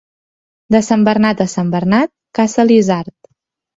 De Sant Bernat a Sant Bernat, caça l'isard.